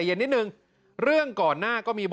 นายกเศรษฐาตอบอย่างไรลองฟังดูครับ